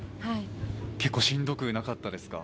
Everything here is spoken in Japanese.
結構しんどくなかったですか？